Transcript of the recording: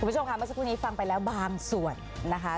คุณผู้ชมค่ะเมื่อสักครู่นี้ฟังไปแล้วบางส่วนนะคะ